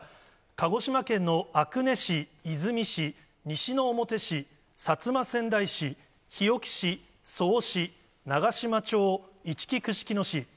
鹿児島県の阿久根市、出水市、西之表市、薩摩川内市、日置市、曽於市、長島町、いちき串木野市。